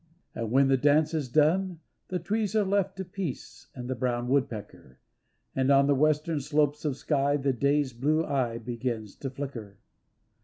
And when the dance is done, the trees Are left to Peace and the brown woodpecker, And on the western slopes of sky The day's blue eye begins to flicker.